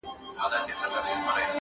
همېشه پر حیوانانو مهربان دی.